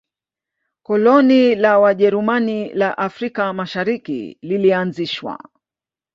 koloni la wajerumani la afrika mashariki lilianzishwa